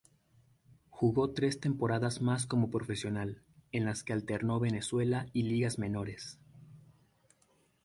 Jugó tres temporadas más como profesional, en las que alternó Venezuela y ligas menores.